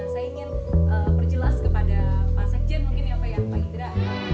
saya ingin perjelas kepada pak sekjen mungkin ya pak ya pak indra